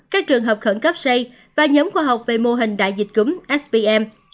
các trường hợp khẩn cấp xây và nhóm khoa học về mô hình đại dịch cúm spm